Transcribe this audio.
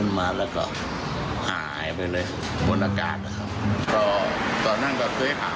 ขึ้นมาแล้วก็หายไปเลยบนอากาศหรอกครับตอนตอนนั้นก็เคยหา